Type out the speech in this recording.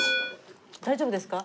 大丈夫ですか？